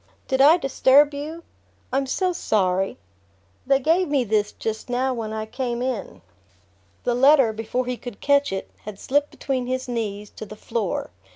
"Did I disturb you? I'm so sorry! They gave me this just now when I came in." The letter, before he could catch it, had slipped between his knees to the floor.